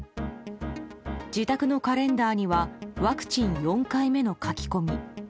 自宅のカレンダーにはワクチン４回目の書き込み。